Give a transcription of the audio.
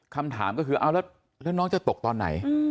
คำถามก็คือเอาแล้วน้องจะตกตอนไหน